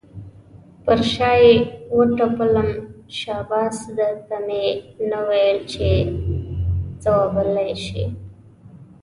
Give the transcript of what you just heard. پر شا یې وټپلم، شاباس در ته مې نه ویل چې ځوابولی یې شې.